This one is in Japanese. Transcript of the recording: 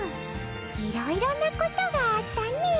いろいろなことがあったね。